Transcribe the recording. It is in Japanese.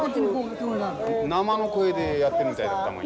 生の声でやってるみたいだったもん